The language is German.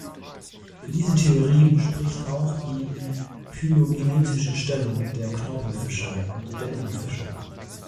Für diese Theorie spricht auch die phylogenetische Stellung der Knorpelfische und der Lungenfische.